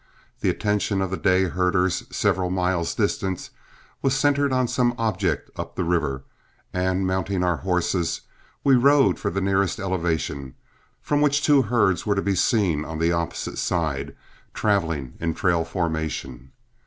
The attention of the day herders, several miles distant, was centered on some object up the river; and mounting our horses, we rode for the nearest elevation, from which two herds were to be seen on the opposite side, traveling in trail formation.